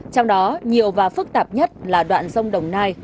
trong đó nhiều và phức tạp nhất là đoạn sông đồng nai